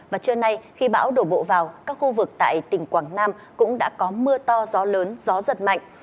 và trưa nay khi bão đổ bộ vào các khu vực tại tỉnh quảng nam cũng đã có mưa to gió lớn gió giật mạnh